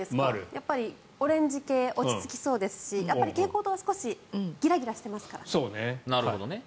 やっぱりオレンジ系落ち着きそうですし蛍光灯は少し、ギラギラしていますから。